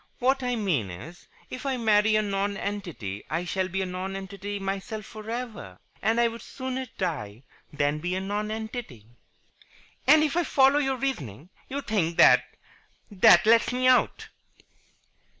What I mean is, if I marry a nonentity I shall be a nonentity myself for ever. And I would sooner die than be a nonentity." "And, if I follow your reasoning, you think that that lets me out?"